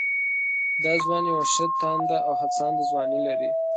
دا ځوان يوه ښه تانده او هڅانده ځواني لري